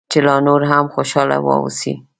چې لا نور هم خوشاله واوسې.